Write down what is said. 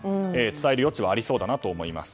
伝える余地はありそうだなと思います。